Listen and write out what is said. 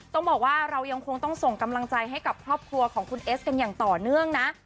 ต้องบอกว่าเรายังคงต้องส่งกำลังใจให้กับครอบครัวของคุณเอสกันอย่างต่อเนื่องนะ